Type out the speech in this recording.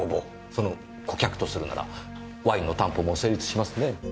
その顧客とするならワインの担保も成立しますねぇ。